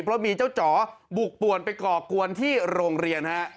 เพราะมีเจ้าจ๋อบุกป่วนไปก่อกวนที่โรงเรียนฮะ